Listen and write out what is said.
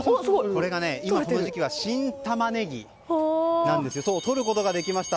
今この時期は新タマネギなんですよ。とることができました。